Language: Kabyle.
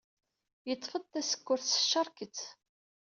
Yeṭṭef-d tasekkurt s tcerket.